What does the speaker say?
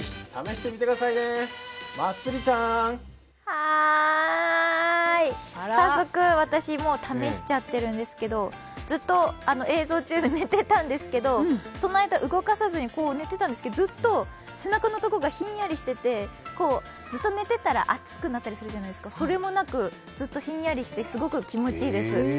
はーい、早速、私も試しちゃってるんですけど、ずっと映像中、寝てたんですけど、そんなに動かさずに寝てたんですけどずっと背中のとこがひんやりしていてずっと寝てたら熱くなったりするじゃないですか、それもなく、ずっとひんやりして、すごく気持ちいいです。